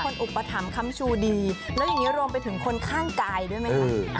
อุปถัมภัมชูดีแล้วอย่างนี้รวมไปถึงคนข้างกายด้วยไหมคะ